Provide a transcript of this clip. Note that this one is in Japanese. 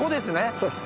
そうです。